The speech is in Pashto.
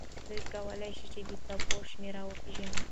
دوی کولی شي چې د څپو شمېر وپیژني.